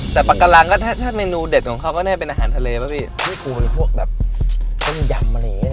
แต่ปากการังก็ถ้าเมนูเด็ดของเขาก็น่าจะเป็นอาหารทะเลปะพี่ที่คูณพวกแบบต้มยำอะไรอย่างนี้นะ